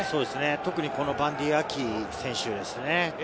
特にバンディー・アキ選手ですね。